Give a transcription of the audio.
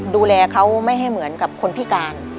ดูแลเขาไม่ให้เหมือนกับคนพิการ